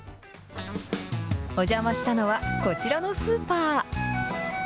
お邪魔したのは、こちらのスーパー。